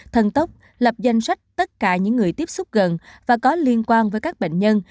thần tốc lập danh sách tất cả những người tiếp xúc gần và có liên quan với các bệnh nhân